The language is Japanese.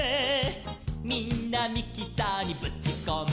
「みんなミキサーにぶちこんで」